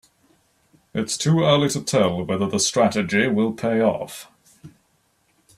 Its too early to tell whether the strategy will pay off.